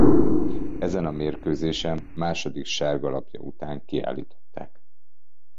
Ezen a mérkőzésen második sárga lapja után kiállították.